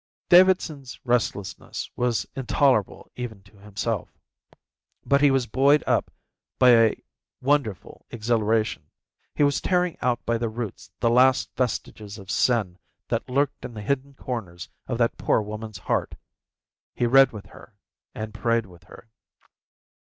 Davidson's restlessness was intolerable even to himself. But he was buoyed up by a wonderful exhilaration. He was tearing out by the roots the last vestiges of sin that lurked in the hidden corners of that poor woman's heart. He read with her and prayed with her.